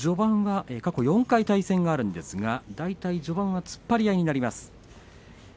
過去４回対戦があるんですが大体序盤は突っ張り合いになります。